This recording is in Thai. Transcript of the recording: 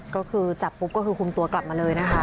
ก็คือจับปุ๊บก็คือคุมตัวกลับมาเลยนะคะ